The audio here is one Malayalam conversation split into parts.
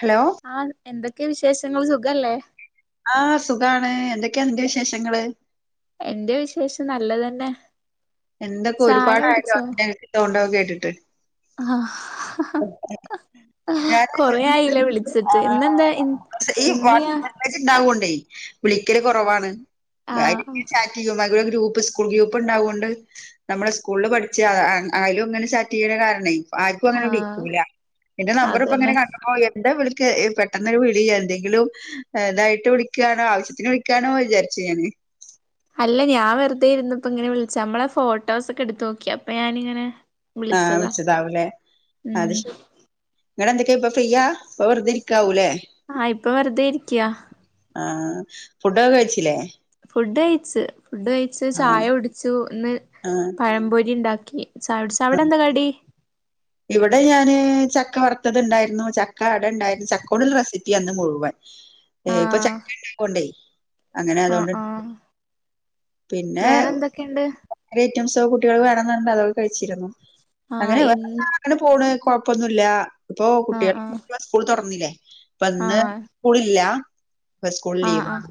ഹലോ ആഹ് എന്തക്ക് ക്കെ വിശേഷങ്ങൾ സുഖല്ലേ ആഹ് സുഖാണ് എന്തൊക്കെ നിന്റെ വിശേഷങ്ങള് എന്റെ വിശേഷം നല്ലതന്നെ എന്തൊക്കെ ചായ ഒരുപാടായാലോ അ കുടിച്ചോ [unintelligible] തോണ്ടോക്കെ കേട്ടിട്ട് ആഹ് [unintelligible] ഞാൻ കൊറേ ആയില്ലേ [unintelligible] വിളിച്ചിട്ട് ഇന്നെന്താ ആഹ് ഈ ഇന്ന് വാട്ട് ഞാ മെസേജ് ഇണ്ടാവോ ണ്ടെ വിളിക്കല് കൊറവാണ് ആഹ് വാഗിക്കി ചാക്കയ്യുമഹ് ഗ്രൂപ്പ് സ്കൂൾ ഗ്രൂപ്പ് ഇണ്ടാവൊണ്ട് നമ്മള് സ്കൂള്ല് പഠി [unintelligible] ച്ച് ആയലും ഇങ്ങനെ ചാറ്റ് ചെയ്യ്ണ കാരെണ ആർക്കൊങ്ങനെ ബ്ടി ആഹ് കുല എന്റെ നമ്പർ ഇപ്പൊ അതന്നെ ഇങ്ങനെ കാണ്ച്ചൊപ്പൊ എന്ത വിളി ക്ക് പെട്ടന്നെരു വിളി എന്തെങ്കിലും ഇതായിട്ട് വിളിക്കാണോ ആവശ്യത്തിന് വിളിക്കാണോ വിചാരിച്ച് ഞാന് അല്ല ഞാൻ വെറുതെ ഇര്ന്നപ്പം ങ്ങനെ വിളിച്ച അമ്മളെ ഫോട്ടോസക്കെ ഇട്ത്തോക്കി അപ്പൊ ഞാനിങ്ങനെ ആ വിളിച്ചതാ വിളിച്ചതാവൂലേ അത് ഉം ശെരി ഇങ്ങളെന്തെക്കെ ഇപ്പം ഫ്രീയാ ഇപ്പ വെറ്തെയിരിക്കാവുലെ ആ ഇപ്പൊ വെർതെ ഇരിക്ക്യ ആഹ് ഫുഡൊക്കെ കഴിച്ലെ ഫുഡ് കഴിച്ച് ഫുഡ് കയ്ച്ച് ആഹ് ചായ കുട്ച്ചു ഇന്ന് ആഹ് പഴംപൊരി ഉണ്ടാക് ഇവിടെ ഞാന് ച ക്ക വറുത്തത് ഉണ്ടായിര്ന്നു ചക്ക ക്കണ്ടായ്ര്ന്ന് ചക്കോണ്ട്ല്ലെ റെസിപ്യ ഇന്ന് മുഴുവൻ ഏ ഇപ്പൊ ആഹ് ചക്ക ണ്ടാകൊണ്ടേ അങ്ങനെ ആഹ് അതോണ്ട് ആഹ് പിന്നെ വേറെ എന്തൊക്കെയുണ്ട് റ്റംസോ കുട്ടികള് [unintelligible] ച്ചിരുന്നു ആഹ് അങ്ങനെ ഇന്ന് [unintelligible] അങ്ങനെ പോണ് കൊഴപ്പൊന്നുല്ല ഇപ്പൊ കുട്ടി ആഹ് ആഹ് [unintelligible] സ്കൂൾ തൊറന്നലേ അപ്പന്ന് സ്കൂളില്ല ഇപ്പൊ സ്കൂൾ ആഹ ആഹ ലീവാണ്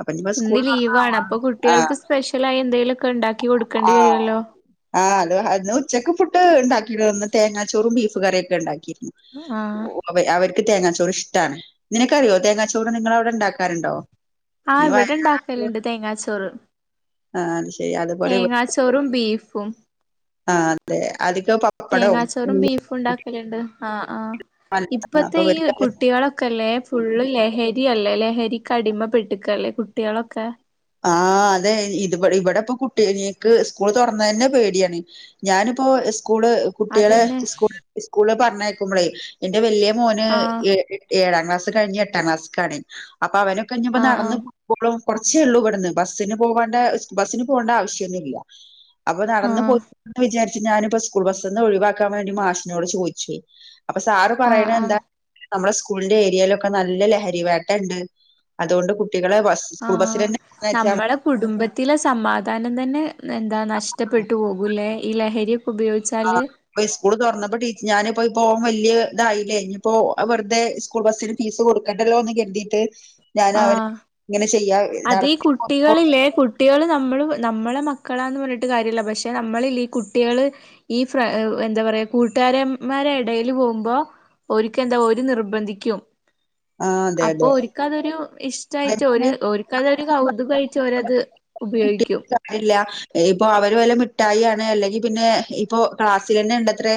അപ്പൊ ഇനിപ്പോ സ്കൂൾ ഇന്ന് തുറന്നാ ലീവാണ് അപ്പൊ ആഹ് കുട്ടികൾക്ക് സ്പെഷ്യൽ ആയി എന്തെലൊക്കെ ഉണ്ടാക്കി കൊടുക്കേണ്ടി വരുല്ലോ ന്ന് ഉച്ചയ്ക്ക് ഫുഡ് ഉണ്ടാക്കിയിട്ടന്ന് തേങ്ങാച്ചോറും ബീഫ് കറിയൊക്കെ ഉണ്ടാക്കി ആഹ് അവ അവർക്ക് എനി തേങ്ങാച്ചോട് ഇഷ്ടമാണ് നിനക്കറിയോ തേങ്ങാച്ചോട് നിങ്ങ അവിടെണ്ടാക്കാറുണ്ടോ ആഹ് ഇവിടെണ്ടാക്കലുണ്ട് തേങ്ങാച്ചോറ് ആഹ അ തേങ്ങാച്ചോറും ബീഫും ആ അതെ അധിക പപ്പടവും ആഹ ആ ഇപ്പത്തെ അപ്പൊ ഈ ഇവർക്ക് കുട്ടികളൊക്കെല്ലേ ഫുള്ള് ലഹരിയല്ലേ ല്ല ലഹരിക്കടിമ പെട്ടക്കല്ലേ കുട്ടികളൊക്കെ ആ അതെ ഇ ഇവിടെ ഇപ്പ കുട്ടി എനിക്ക് സ്കൂൾ തുറന്ന തന്നെ പേടിയാണ് ഞാനിപ്പോ സ്കൂള് കുട്ടികളെ അതന്നെ സ്കൂ സ്കൂ പറഞ്ഞേക്കുമ്പളേ എന്റെ വല്ിയ മോന് ആഹ് ഏ ഏഴ അ മാസ എട്ടാം മാസ കണി അപ്പൊ അവനൊക്കെ ഇഞ്ഞപ്പോ ആഹ് ആഹ് നടന്നു പോോളും കുറച്ച്ല്ലോ ബസിന് പോണ്ട ബസിന് പോകേണ്ട ആവശ്യംന്നും ഇല്ല അപ്പൊ നടന്ന്ന് ആഹ് പോയിന്ന് വിചാരിു ഞാനിപ്പോ സ്കൂൾ ബസ്ന്ന് ഒഴിവാക്കാൻ വേണ്ടി മാസിനോട് ചോദിച്ചു അപ്പൊ സാറ് ആഹ് പറയണ ആഹ് എന്താ നമ്മളുടെ സ്കൂളിന്റെ ഏരിയയിലൊക്കെ നല്ല ലഹരി വേട്ടണ്ട് അതുകൊണ്ട് കുട്ടികളെ ബസ് സ്കൂൾ ബസ്സ തന്നെ പറഞ്ഞയച്ചാൽ നമ്മളുടെ കുടുംബത്തിലെ സമാധാനം തന്നെ എന്താ കഷ്ടപ്പെട്ടു പോകൂലേ ഈലഹരി ആ സ്കൂള് തുറന്നപ്പോ ടീച്ച ഞാന അപ്പൊ പോകൻ വലിയ ഇതായില്ലേ ഇനിയിപ്പോ അവറത സ്കൂൾ ബസ്സിന് ഫീസ് കൊടുക്കണ്ടല്ലോ എന്ന് കരുതിയിട്ട് ഞാൻ ആഹ് അവങ്ങനെ അതീ കുട്ടികളില്ലേ കുട്ടികൾ നമ്മൾ നമ്മളെ മക്കളാന്ന് പറഞ്ഞിട്ട് കാര്യല്ല പക്ഷെ നമ്മളില്ല ഈ കുട്ടികള് ഈ ഫ്ര എന്താ പറയാ കൂട്ടുകാരമാരു ഇടൽ പോകുമ്പോ ഒക്ക് എന്താ ഒരു നിർബന്ധിക്കും ആ അതെ അപ്പൊ അതെ ഒരിക്കും അതൊരു ഇഷ്ടായിട്ട് ഒരു ഓർക്കതൊരു കൗതുകായിട്ട് അവരത് ഉപയോഗിക്കും മിഠായി ആണ് അല്ലെങ്കിൽ പിന്നെ ഇപ്പോ ക്ലാസ്സിൽ തന്നെ ഉണ്ടത്രെ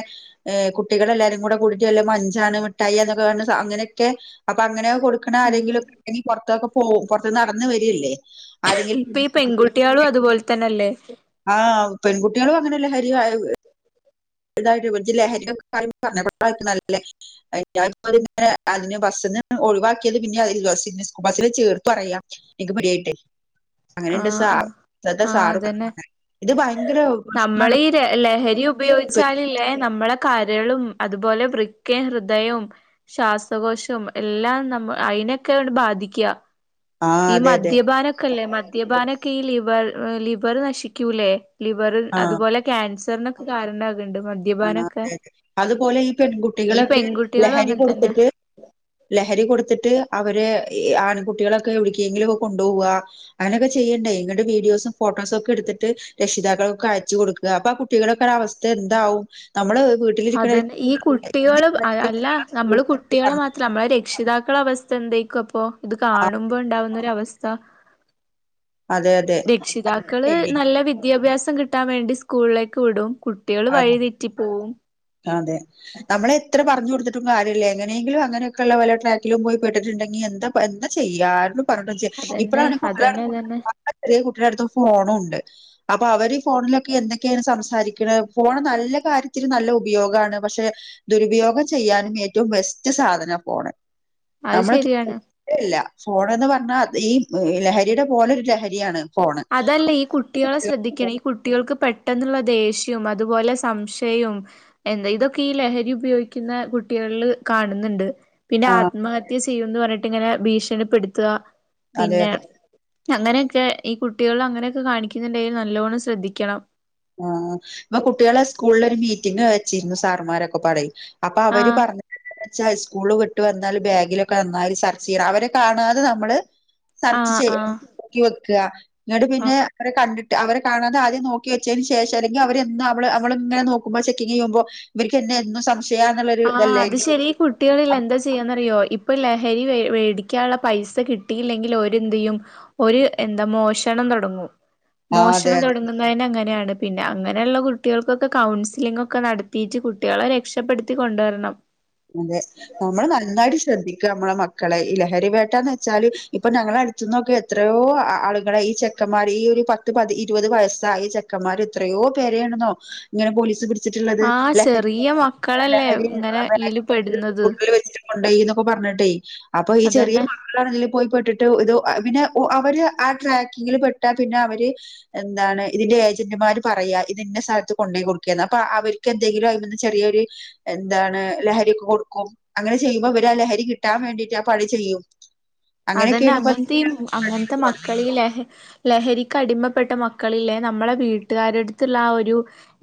ഹ കുട്ടികൾ എല്ലാരും കൂടെ കൂടിയിട്ട് വല്ല മഞ്ചാണ് മിഠായി എന്നൊക്കെ അങ്ങനെയൊക്കെ അപ്പൊ അങ്ങനെ കൊടുക്കണ ഉം ആരെങ്കിലുഒക്കെ [unintelligible] പുറത്തൊക്കെ പോം പുറത്ത് നടന്ന് വരിയല്ലേ ഇപ്പ ഈ പെൺകുട്ടികളും അതുപോലെ തന്നല്ലേ ആഹ് പെൺകുട്ടികളും അങ്ങനെയല്ലേ ഹരി [unintelligible] [unintelligible] [unintelligible] അങ്ങനെയണ്ട് ആഹ് സാ ആഹ് [unintelligible] ആഹ് സാറ് അതന്നെ ഇത് ഭയങ്കര പ്രശ്നാടോ നമ്മളീ ര ലഹരി ഉപയോഗിച്ചാലില്ലേ നമ്മള കരളും അതുപോലെ വൃക്കേം ഹൃദയവും ശ്വാസകോശവും എല്ലാം നമ്മ അയിനൊക്കെയ ബാധിക്കുക ആ ഈ അതെ അതെ മദ്യപാനൊക്കെല്ലേ മദ്യപാനൊക്കെ ഈ ലിവർ ലിവർ നശിക്കൂല്ലേ ലിവർ ആ അതുപോലെ ക്യാൻസറിന് കാരണ്ട ആ അതെതെ അതുപോലെ ഈ ഈ പെൺകുട്ടികളൊക്കെ പെൺകുട്ടികളും ലഹരി അങ്ങനെ തന്നെ കൊടുത്തിട്ട് ല ലഹരി കൊടുത്തിട്ട് അവര് ഇ ആൺകുട്ടികളൊക്കെ എവിടക്കെങ്കിലും ഒക്കെ കൊണ്ടോവ അങ്ങനെയൊക്കെ ചെയ്യ്ണ്ട് ഇന്നട്ട്‌ വീഡിയോസും ഫോട്ടോസും ഒക്കെ എടുത്തിട്ട് രക്ഷിതാക്കൾക്കൊക്കെ അയച്ച് കൊടുക്കുക അപ്പൊ ആ കുട്ടികളൊക്കെ ഒരവസ്ഥ എന്താവും. നമ്മള് വീട്ടിലിരിക്കുന്ന അതന്നെ ഈ കുട്ടികള് അല്ല നമ്മള് കുട്ടികളെ മാത്രം നമ്മളെ രക്ഷിതാക്ക കളെ അവസ്ഥ എന്തേക്കും അപ്പൊ ഇത് കാണുമ്പോ ഉണ്ടാവുന്ന ഒരവസ് സ്ഥ അതെ അതെ രക്ഷിതാക്കള് പേടി. നല്ല വിദ്യാഭ്യാസം കിട്ടാൻ വേണ്ടി സ്കൂളിലേക്ക് വിടും കുട്ടികള് അതെ വഴിതെറ്റി പോവും അതെ നമ്മള് എത്ര പറഞ്ഞ് കൊടുത്തിട്ടും കാര്യ ല്യ. എങ്ങനെങ്കിലും അങ്ങനൊക്കെള്ള വല്ല ട്രാക്കിലും പോയി പെട്ടിട്ടുണ്ടെങ്കിൽ എന്ത എന്താ ചെയ്യ ആരോ പറഞ്ഞിട്ടും ചെ അതന്നെ ഇപ്പഴാണെ കുട്ടികള അതന്നെ അടുത്ത് അതന്നെ നന്ന ചെറിയ കുട്ടികളെ ടുത്തു ഫോണുണ്ട് അപ്പൊ അവര് ഈ ഫോണിലൊക്കെ എന്തൊക്കെയാണ് സംസാരിക്ക്ണേ ഫോണ് നല്ല കാര്യത്തിൽ നല്ല ഉപയോഗമാണ് പക്ഷെ ദുരുപയോഗം ചെയ്യാനും ഏറ്റവും ബെസ്റ്റ് സാധനാ ഫോണ് അത് നമ്മള് ശരിയാണ് [unintelligible] ഫോണ് ന്ന് പർ അ ഈ ലഹരിയുടെ പോലെരു ലഹരിയാണ് ഫോണ് അതല്ല, ഈ കുട്ടികളെ ശ്രദ്ധിക്കണേ, ഈ കുട്ടികൾക്ക് പെട്ടെന്നുള്ള ദേഷ്യവും, അതുപോലെ സംശയവും എന്താ ഇതൊക്കെ ഈ ലഹരി ഉപയോഗിക്കുന്ന കുട്ടികളില് കാണുന്നുണ്ട്. പിന്നെ ആ ആത്മഹത്യ ചെയുന്ന്പറഞ്ഞിട്ട് ഇങ്ങനെ ഭീഷണിപ്പെടുത്തുക അതെ പിന്നെ അതെ അങ്ങനെക്കെ ഈ കുട്ടികളൾ അങ്ങനെയൊക്കെ കാണിക്കുന്നുണ്ടെങ്കിൽ നല്ലോണം ശ്രദ്ധിക്കണം ആ പ്പ കുട്ടികളെ സ്കൂളിലൊ രു മീറ്റിംഗ് വെച്ചിരുന്നു സാർമാരൊക്കെ പാടെ അപ്പൊ അവര് ആഹ് പറഞ്ഞാ ച്ചാ സ്കൂള് വിട്ട് വന്നാല് ബാഗിലൊക്കെ നന്നായിസെർച്ച് ചെയ്യണം അവരെ കാണാതെ നമ്മള് സെർച്ച് ആഹ് ആഹ് ചെയ്തോക്കി വെക്ക ന്നട്ട് പിന്നെ ആഹ് അവരെ കണ്ടിട്ട് അവരെ കാണാതെ ആദ്യ നോക്ക്യ ശേഷം അല്ലെങ്കിൽ അവര് അവള് ഇങ്ങനെ നോക്കുമ്പോ ചെക്കിങ് ചെയ്യുമ്പോ ഇവർക്ക് എന്നെ എന്നും സം ആ അത് ശരി ഈ കുട്ടികളില്ലേഎന്താ ചെയ്യാന്ന്റിയോ ഇപ്പൊ ഇപ്പൊ ലഹരി വേടിക്കാള്ള പൈസ കിട്ടിയില്ലെങ്കിൽ ഒര്എന്തയും ഓര് എന്താ മോഷണം തുടങ്ങും ആഹ് അതെ മോഷണം തുടങ്ങുന്നതിനങ്ങ നെണ്പിന്നെ അങ്ങനെയുള്ള കുട്ടികൾക്കൊക്കെ കൗൺസിലി ഒക്കെ നടത്തിട്ട് കുട്ടികളെ രക്ഷപ്പെടു ത്തി കൊണ്ടുവരണം അതെ നമ്മള് നന്നായിട്ട് ശ്രദ്ധിക്ക് നമ്മളെ മക്ക ക്കളെ ഇ ലഹരി വേട്ടന്ന് വെച്ചാല് ഇപ്പൊ ഞങ്ങള അടുത്തന്നൊക്കെ എത്രയോ ആളുകളെ ഈ ചെക്കന്മാർ ഈ ഒരു പത്ത് പ ഇരുപത് വയസായ ചെക്കന്മാർ എത്രയോ പേരണെന്നോ ഇങ്ങനെ പോലീസ് പിടി ആ ചെറിയ മക്കളല്ലേ ഇങ്ങനെ ഈൽ [unintelligible] വെച്ചി [unintelligible] ന്നൊക്കെ പറഞ്ഞിട്ടേ അപ്പൊ ഈ അതന്നെ ചെറിയ മക്കളാണെങ്കിൽ ഇതിൽ പോയിപ്പെട്ടിട്ട് ഇത് പിന്നെ അവര് ആ ട്രാക്കിങ്ങിൽ പെട്ടാ പിന്നെ അവര് എന്താണ് ഇതിന്റെ ഏജന്റുമാര് പറയാ ഇത് ഇന്ന സ്ഥലത്ത് കൊണ്ടു പോയി കൊടുക്കുക അപ്പൊ അവർക്ക് എന്തെങ്കിലും അയ്മെന്നൊരു ചെറിയൊരു എന്താണ് ലഹ കൊടുക്കും അങ്ങനെ ചെയ്യുമ്പോ ഇവര് ലഹരി കിട്ടാ വേണ്ടിട്ട് ആ പണി ചെയ്യും അതന്നെ അങ്ങനെയൊക്കെയാണ് ഇപ്പ അങ്ങനത്തെഈ അങ്ങനത്തെ മക്കള ലഹ ലഹരിക്ക അടിമപ്പെട്ട മക്കളില്ലേ നമ്മളെ വീട്ടുകാരുടുത്തുള്ള ആ ഒരു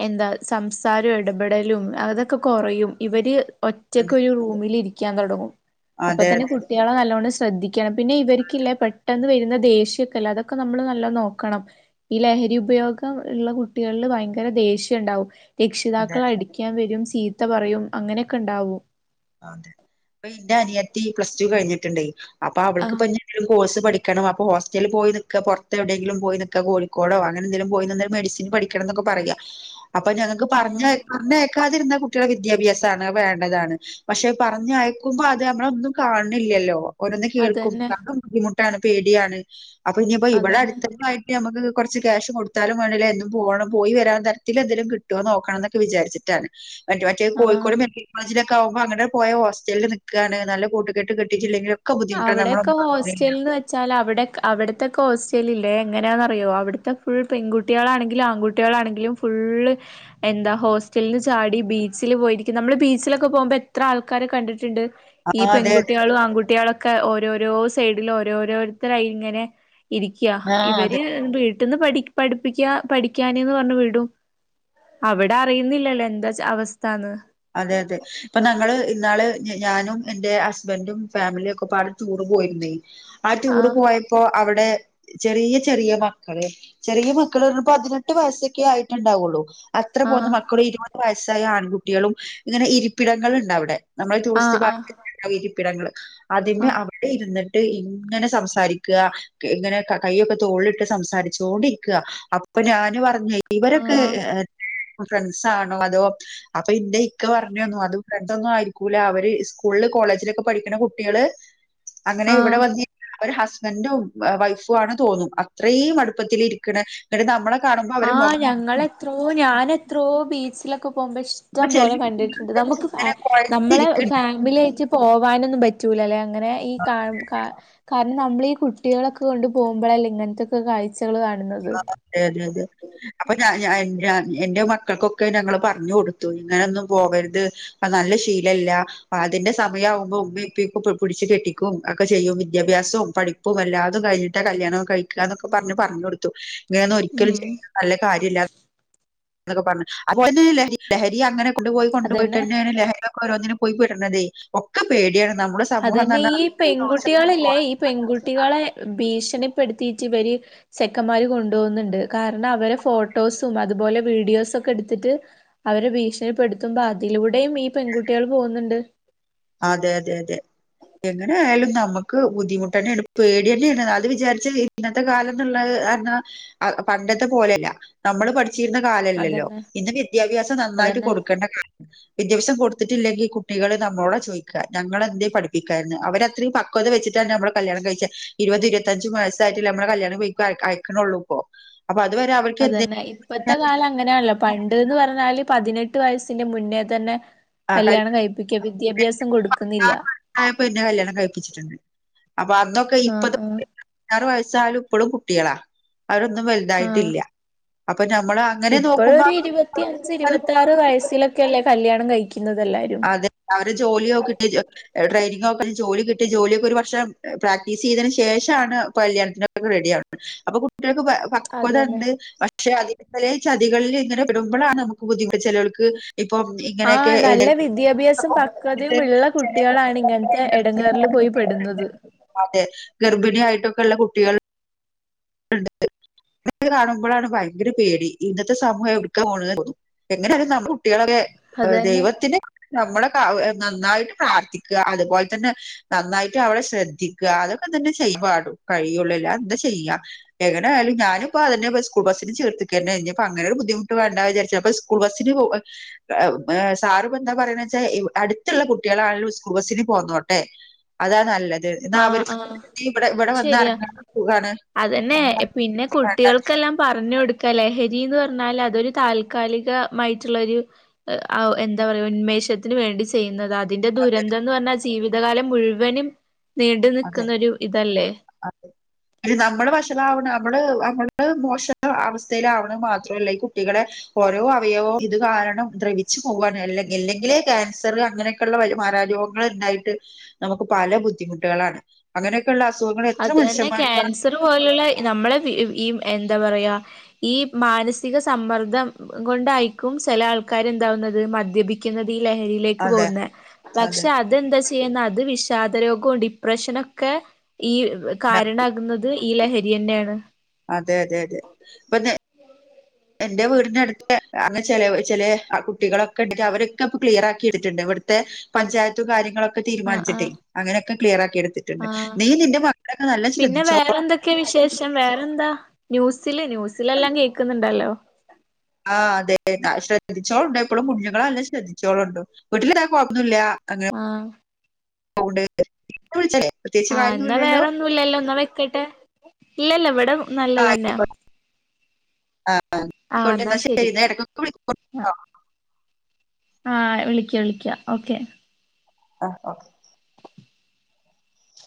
എന്താ സംസാരവും ഇടപെടലും അതൊക്കെ കുറയും ഇവര് ഒറ്റക്ക് അതെ ഒരു റൂമിലിരിക്കും ക്കാൻ തൊടങ്ങും അപ്പൊ അതെ തന്നെ കുട്ടികളെ നല്ലോണം ശ്രദ്ധി... ശ്രദ്ധി ണം പിന്നെ ഇവർക്കല്ലേ പെട്ടെന്ന് വരുന്ന ദേഷ്യൊക്കെല്ല അതൊക്കെ നമ്മള് നല്ലോ നോക്കണം ഈ ലഹരി ഉപയോഗം ഉള്ള കുട്ടികളില് ഭയങ്കര ദേഷ്യം ഉണ്ടാവും അതെ രക്ഷിതാക്കൾ അടിക്കാൻ വരും ചീത്ത പറയും അങ്ങനെയൊക്കെ ഉണ്ടാവും അതെ അപ്പൊ എന്റെ അനിയത്തി പ്ലസ് ടു കഴിഞ്ഞിട്ടുണ്ടെ അപ്പൊ ആഹ് അവൾക്ക്പ്പ ഞും കോഴ്സ് പഠിക്ക ക്കണം അപ്പൊ ഹോസ്റ്റലിൽ പോയി നിക്ക പുറത്ത് എവിടെങ്കിലും പോയി നിക്ക കോഴിക്കോടോഅങ്ങനെ എവിടെ എങ്കിലും പോയി നിന്ന് മെഡിസിൻപഠിക്കണം എന്ന് പറയാ അപ്പൊ ഞങ്ങക്ക് പറഞ്ഞ ആഹ് പറഞ്ഞേക്കാതിരുന്ന കുട്ടികളെ വിദ്യാഭ്യാസാണ് അത് വേണ്ടതാണ് പക്ഷെ പറഞ്ഞ അയക്കുമ്പോ അത് നമ്മളൊന്നും കാണണില്ലല്ലോ ഓരോന്ന് അതന്നെ കേൾക്കുമ്പോ ബുദ്ധിമുട്ട് ട്ടാണ് പേടിയാണ് അപ്പൊ ഇനിയിപ്പോ ഇവിടെ അതന്നെ അടുത്തായിട്ട് നമുക്ക് കുറച്ച് ക്യാഷ് കൊടുത്താലും വേണ്ടില്ലഎന്നുംപോകണം പോയി വരാൻ തരത്തിൽ എന്തെലും കിട്ടുവോ നോക്കണമെന്ന് വിചാച്ചിട്ടാണ് മ മറ്റേ ആഹ് കോഴിക്കോട് മെഡിക്കൽ കോളേജിലെ അപ്പൊ അങ്ങടെ പോയ ഹോസ്റ്റലിൽ നിൽക്കാണ് നല്ല കൂട്ടുകെട്ട് കിട്ടിയ ട്ടില്ലെങ്കിലും അവിടൊക്കെ ഹോസ്റ്റൽ എന്ന് വെച്ചാൽ അവിടെ അവിടത്തെക്കെഹോസ്റ്റൽ ഇല്ലേ ഏ എങ്ങനെയാണെന്നറിയോ അവിടുത്തെ ഫുൾ പെൺകുട്ടികളാണെങ്കിലും ആൺകുട്ടികളാണെങ്കിലും ഫുള്ള് എന്താ ഹോസ്റ്റലന് ചാടി ബീച്ചില് പോയിരിക്കും നമ്മള് ബീച്ചിലൊക്കെ പോകുമ്പോ എത്ര ആൾക്കാരെകണ്ടിട്ടുണ്ട് ആ ഈ അതെ അതെ പെൺകുട്ടികളും ആൺകുട്ടികളൊക്കെ ഓരോരോ സൈഡിൽ ഓരോരോരുത്തരായി ഇങ്ങനെ ഇരിക്കയാ ആ അതെ ഇവര് വീ..... ട്ടന്ന് പഠി പഠിപ്പിക്ക പഠിക്കാനന്ന് പറഞ്ഞഞ് വിടും അവിടെ അറിയുന്നില്ലല്ലോ എന്താ അവസ്ഥന്ന് അതെ അതെ ഇപ്പൊ ഞങ്ങള്ൾ ഇന്നാള് ഞാനും എൻന്റെ ഹസ്ബൻഡും ഫാമിലിയ ഒക്കെ പാട് ടൂറ് പോയിരുന്നേ ആ റ്റൂർ ആഹ് പോയപ്പോ അവിടെ ചെറിയ ചെറിയ മക്കള് ചെറിയ മക്കള് പറ പതിനെട്ട് വയസ്സൊക്കെ ആയിട്ടുണ്ടാവുള്ളു അത്ര പോ ആഹ് മക്കളും ഇരുപ സ ആയ ആൺകുട്ടി കുട്ടികളും ഇങ്ങനെ ഇരിപ്പിടങ്ങള ഉണ്ട് അവിടെ നമ്മള ആഹ് ടൂറിസ്റ്റ് ഭാഗ ആഹ് പ്പിടങ്ങള് അതിമേ ആഹ് അവിടെ ഇരുന്നിട്ട് ഇങ്ങനെ സംസാരിക്കുക ഇങ്ങനെ കൈയൊക്കെ തോളിലിട്ട് സംസാരിച്ചോണ്ടിരിക്കുക അപ്പൊ ഞാന്പറഞ്ഞെ ഇവരൊക്കെ ആഹ് ഫ്രണ്ട്സാണോ അതോ അപ്പൊ ഇന്റെ ഇക്ക പറഞ്ഞു തന്നുഅത് ഫ്രണ്ടൊന്നും ആയിരിക്കൂല അവര് സ്കൂളിലും കോളേജിലൊക്കെ പഠിക്കുന്ന കുട്ടികള് അങ്ങനെ ഇവിടെ ആഹ് വന്നി ഒരു ഹസ്ബൻറും വൈഫും ആണ് തോന്നും അത്രയും അടുപ്പത്തി ഇരിക്കണ എന്നട്ട് നമ്മളെ കാണുമ്പോ ആ അവര് മുഖം ഞങ്ങളെത്രോ ഞാനെത്രയോ ബീച്ചില് പോവു ഇപ്പൊ മ്പോഇഷ്ടം ചെല പോലെ കണ്ടിട്ടുണ്ട് കുട്ടികളൊക്കെ ഇങ്ങനെ കൊഴഞ്ഞിരിക്കുന്നുണ്ട് നമുക്ക്ഫാമിലി ആയിട്ട് പോകാനൊന്നും പറ്റൂല്യ അല്ലെ അങ്ങനെ ഈ കാ - കാ നമ്മളീഈ കുട്ടികളൊക്കെ കൊണ്ട് പോകുമ്പോഴല്ലേ ഇങ്ങനത്തൊക്കെ കാഴ്ച ആ അതെ അതെ അതെ. അപ്പൊ ഞാൻ ഞാൻഎൻ ഞാൻ എൻ്റെ മക്കൾക്കൊക്കെ ഞങ്ങള് പറഞ്ഞു കൊടുത്തു, ഇങ്ങനെയൊന്നും പോകരുത് പ്പ നല്ല ശീലല്ല അതിന്റെ സമയമാവുമ്പോ ഉമ്മ ഇപ്പ ഈ പ്പ പി പിടിച്ച് കെട്ടിക്കും ഒക്കെ ചെയ്യും, വിദ്യാഭ്യാസവും, പഠിപ്പും എല്ലാതും കഴിഞ്ഞിട്ടാ കല്യാണം കഴിക്കുകന്നൊക്കെ പറഞ്ഞ് പറഞ്ഞു കൊടുത്തു. [unintelligible] ഞാൻ ഒരിക്കലും ഉം [inaudible] നല്ല കാര്യല്ല എന്നൊക്കെ പറഞ്ഞ് അപ്പോ നെ ലഹ ലഹരി അങ്ങനെ കൊണ്ടു പോയി, കൊണ്ടു പോയി അതന്നെ തന്നാണ് ലഹരിക്കെ ഒരൊന്നിനും പോയിപ്പെടണതെ, ഒക്കെ പേടിയാണ്. നമ്മുടെ സമൂഹംന്ന് അതന്നെ പറഞ്ഞാ ഈ പെൺകുട്ടികളില്ലേ ഈ പെൺകുട്ടികളെ ഭീഷ ഭീഷണിപ്പെടുത്തി ഇവര് ചെക്കന്മാര് കൊണ്ട് പോകുന്നുണ്ട്, കാരണം അവ ഫോട്ടോസും അതുപോലെ വീഡിയോസും ഒക്കെ എടുത്തിട്ട് അവരെ ഭീണപ്പെടുത്തുമ്പോൾ അതിലൂ ടെയും ഈ പെൺകുട്ടികൾ പോകുന്നുണ്ട്. അതെ അതെ അതെ എങ്ങനെ ആയാലും നമുക്ക് ബുദ്ധിമുട്ട് തന്നെയാണ് പേടി തന്നെയാണ്, അത് വിചാരിച്ച് ഇന്നത്തെ കാല ത്തുള്ളത് പറഞ്ഞ അ പണ്ടത്തെ പോലെയല്ല നമ്മള് പഠി ക്കുന്ന കാലല്ലല്ലോ അതന്നെ ഇന്ന് വിദ്യാഭ്യാസം നന്നായിട്ട് അതന്നെ കൊടുക്കേണ്ട കാല വിദ്യാഭ്യാസം കൊടുത്തിട്ടില്ലെങ്കിൽ കുട്ടികള് നമ്മോട്. ചോദിക്ക ഞങ്ങളെന്നെ പഠിപ്പിക്കാരുന്നു അവരത്രയും പവത് വെച്ചിട്ടാണ് നമ്മള് കല്യാണം കഴിച്ച ഇരുപത് ഇരു ത്തഞ്ച് വസ്സായിട്ട നമ്മുടെ കല്യാണം ഇപ്പ അയക്കനുള്ളൂപ്പോ അതന്നെ ഇപ്പത്തെ കാലം അങ്ങനെയാണല്ലോ പണ്ട് ണ്ട്ന്ന് പർഞ്ഞാല് പതിനെട്ട് വയസ്സിന്റെ മുന്നേ തന്നെ കല്യാണം കഴിപ്പിക്കുക വിദ്യാഭ്യാസം കൊടുക്കുന്നില്ല ആയപ്പോ എന്നെ കല്യാണം കഴിപ്പിച്ചിട്ടുണ്ട് അപ്പൊ അന്നൊക്കെ ഇപ്പ ആഹ് ആഹ് [unintelligible] ച്ചാലും പ്പളും കുട്ട്യേളാ അവരൊന്നും വലുതായിട്ടില്ല അപ്പൊ ഞമ്മള് അങ്ങനെ നോക്കുമ്പോ ഇപ്പോയൊര് ഇരുപത്തിയഞ്ച് ഇരുപത്തി ആറ് വയസ്സിലൊക്കെ ഒക്കല്ലെ കല്യാണം കഴി അതെ അവര് ജോലിനോക്കിട്ട് [unintelligible] നോക് ജോലി കിട്ടി ജോലിയൊക്കെ ഒരു വർഷം പ്രാക്ടീസ് ചെയ്തതിന് ശേഷാണ് പല്യാൺത്തിനൊക്കെ റെഡി ആവ്ണെ അപ്പ കുട് ട്ട്യേക്ക് പ അതന്നെ പക്വതുണ്ട് പക്ഷെ അത് ഇവലെ ചതികളിൽ ഇങ്ങനെ വടുമ്പളാണ് നമുക്ക് ബുദ്ധിമുട്ട ചെലോൽക്ക് ഇപ്പം ഇങ്ങനെയൊക്കെ ആഹ് നല്ല ഏ വിദ്യാഭ്യാസം പക്വതിം ഉള്ള കുട്ടികളാണ് ഇങ്ങനത്തെ എടങ്ങേർല് പോയി പെടുന്നത് കുട്ടികളൊക്കെ ട്ടായിട്ടൊക്കെള്ള കുട്ട്യേൾ [unintelligible] നെ കാണുമ്പളാണ് ഭയ്ങ്കര പേടി ഇന്നത്തെ സമൂഹം എവിട്ക്കാ [unintelligible] കുട്ടികളൊക്കെ അതന്നെ ദൈവത്തിന് നമ്മളെ നന്നായിട്ട് പ്രാർത്ഥിക്കുക അതുപോലെ തന്നെ നന്നായിട്ട് അവിടെ ശ്രദ്ധിക്കുക അതൊക്കെ തന്നെ ചെയ്യ പാടും കഴിയുള്ളല്ല എന്താ ചെയ്യുക എങ്ങനൊയാല ഞാനിപ്പോ അെ സ്കൂൾ ബസന് ചേർക്ക കഴഞ്ഞപ്പ അങ്ങനെ ഒരു ബുദ്ധിമുട്ട് വേണ്ട വിചാരിച്ച അപ്പ സ്കൂൾ ബസിന് സാർ ഇപ്പ എന്താ പറയ വെച്ചാ അടുത്തുള്ള കുട്ടികളാണെ സ്കൂൾ ബസ്സിന് പോന്നോട്ടെ അതാ നല്ലത് അ എന്ന അവർ ആഹ് ആഹ് ഇവിടെ ഇവിടെ അത് വന്ന് ശരിയാ ഇറങ്ങാൻ പോകാണ് അതന്നെ പിന്നെ കുട്ടികൾക്കെല്ലാം പറഞ്ഞു കൊടുക്കല്ലേ ലഹരിന്ന് പറഞ്ഞാൽ അതൊരു താൽക്കാലികമായിട്ടുള്ള ഒരു എന്താ പറയ ഉന്മേഷത്തിന് വേണ്ടി ചെയ്യുന്നത് അ അതിന്റെ ദുരന്ത അതെ എന്ന് പറഞ്ഞാൽ ജീവിതം അധ കാലം മുഴുവനും നീണ്ടു അതെ നിൽക്കുന്നൊരു ഇതല്ലേ അതെ നമ്മള് വഷണംാവണം നമ്മള് മോശം അവസ്ഥയിലാവണ മാത്രമല്ല ഈ കുട്ടികളെ ഓരോ അവയവവും ഇത് കാരണം ദ്രവിച്ചു പോകാന ഇല്ലെങ്കില് ക്യാൻസർ അങ്ങനെയൊക്കെയള്ള മാരോഗങ്ങൾ ഉണ്ടായിട്ട് നമുക്ക് പല ബുദ്ധിമുട്ടും കുട്ട അങ്ങനെ അത്തന്നെ ക്യാൻസർ പോലുള്ള നമ്മളെ ഈ എന്താ പറയാ ഈ മാനസിക സമ്മർദ്ദം കൊണ്ടായിരിക്കും ചില ആൾക്കാർ എന്താവുന്നത് മദ്യപിക്കുന്നത് ലഹരിയിലേക്ക് അതെ പോകുന്ന പക്ഷെ അതെ അതെന്താ ചെയ്യുന്നത് അത് വിഷാദ രോഗവും ഡിപ്രഷനൊക്കെ ഈ ഉണ്ടാക്കും കാരണമാകുന്നത് ഈലഹരിയന്റെ ആാണ് അതെ അതെ അതെ ഇപ്പൊ എന്റെ വീടിനടുത്ത് ച ചില കുട്ടികളൊക്കെ ഉണ്ടെങ്കിൽ അവരൊക്കെ ഇപ്പ ക്ലിയർ ആക്കി ഇടുട്ടുണ്ട് ഇവിടുത്തെ പഞ്ചായത്തും കാര്യങ്ങളൊക്കെ െ ആഹ് തീരുമാനിച്ചിട്ടേ ആഹ് അങ്ങനെയൊക്കെ ക്ലിയർ ആക്കി എടുത്തിട്ടുണ്ട് ആഹ് നീ നിന്റെ മകളൊക്കെ നല്ല പിന്നെ ശ്രദ്ധിച്ചോ ന്യൂസ് സില് ന്യൂസിലെല്ലാം കേക്കുന്നുണ്ടല്ലോ? ആഹ് അതെ ശ്രദ്ധിച്ചോളോണ്ടൂ എപ്പളും കുഞ്ഞുങ്ങളെല്ലാം ശ്രദ്ധിച്ചോളോണ്ടൂ വീട്ടിലിതാ കൊയപ്പൊന്നും ഇല്ലാ ആഹ് [unintelligible] ആഹ് എന്നാ കാര്യൊന്നുല്ലല്ലോ വേറെ ഒന്നുല്ലല്ലോ ന്നാ വെക്കട്ടെ? ഇല്ലല്ല ഇവിടെ നല്ലതന്നെയാ. ആഹ് ആഹ് ആയിക്കോട്ടെന്നാ ശരി എടക്കൊക്കെ [unintelligible] ആ വിളിക്കാ വിളിക്കാ ഓക്കെ. ആഹ് ഓ